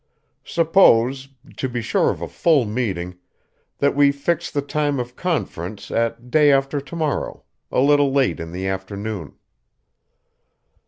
Suppose, to be sure of a full meeting, that we fix the time of conference at day after to morrow a little late in the afternoon."